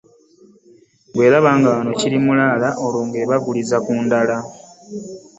Bw'eraba nga wonna kiri mulaala olwo ng'ebaguliza ku ndala.